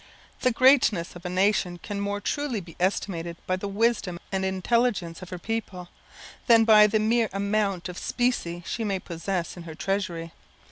The greatness of a nation can more truly be estimated by the wisdom and intelligence of her people, than by the mere amount of specie she may possess in her treasury.